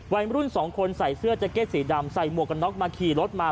วัยรุ่นสองคนใส่เสื้อแจ็กเก็ตสีดำใส่หมวกกันน็อกมาขี่รถมา